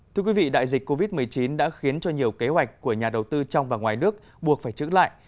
thưa quý vị đại dịch covid một mươi chín đã khiến cho nhiều kế hoạch của nhà đầu tư trong và ngoài nước buộc phải trứng lại